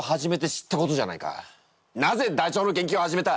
なぜダチョウの研究を始めた？